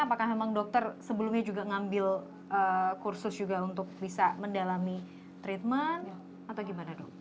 apakah memang dokter sebelumnya juga ngambil kursus juga untuk bisa mendalami treatment atau gimana dok